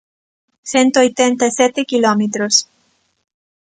Cento oitenta e sete quilómetros.